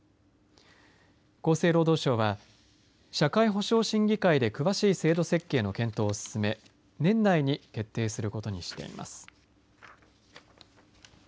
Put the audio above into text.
厚生労働省は社会保障審議会で詳しい制度設計の検討を進め年内に決定することにしています。